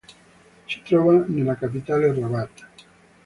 Si trova nella capitale Rabat.